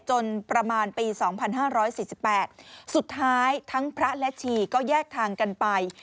จนประมาณปี๒๕๔๘สุดท้ายทั้งพระและชีก็แยกทางกันไป